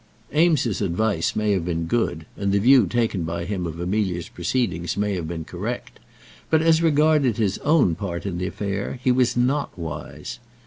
Eames's advice may have been good, and the view taken by him of Amelia's proceedings may have been correct; but as regarded his own part in the affair, he was not wise.